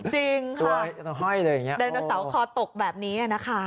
จริงค่ะตัวห้อยเลยอย่างนี้เดนโนเสาร์คอตกแบบนี้นะคะ